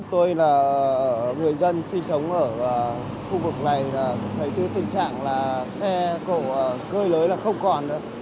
tôi là người dân sống ở khu vực này thấy tình trạng là xe cơi nới là không còn nữa